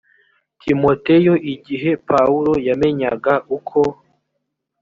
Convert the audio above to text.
timoteyo igihe pawulo yamenyaga uko